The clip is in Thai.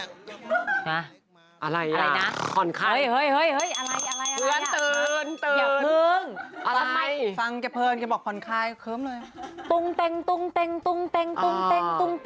ฟังเพลงเป็นขอนคลายเคิมเลย